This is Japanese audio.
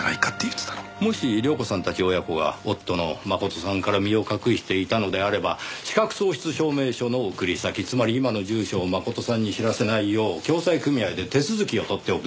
もし亮子さんたち親子が夫の誠さんから身を隠していたのであれば資格喪失証明書の送り先つまり今の住所を誠さんに知らせないよう共済組合で手続きを取っておく必要があります。